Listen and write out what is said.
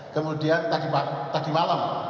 kemudian tadi malam